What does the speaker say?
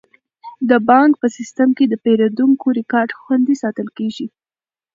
د بانک په سیستم کې د پیرودونکو ریکارډ خوندي ساتل کیږي.